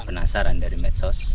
penasaran dari medsos